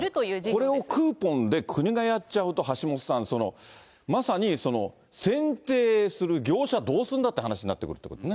これをクーポンで国がやっちゃうと、橋下さん、まさにその選定する業者どうするんだという話になってくるんです